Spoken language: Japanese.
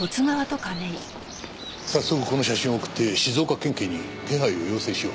早速この写真を送って静岡県警に手配を要請しよう。